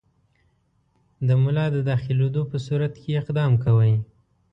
د ملا د داخلېدلو په صورت کې اقدام کوئ.